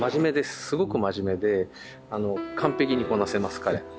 すごく真面目で完璧にこなせます彼。